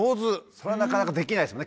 それはなかなかできないですよね